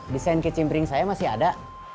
desain kecimbring saya masih ada